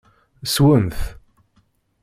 Sswen-t.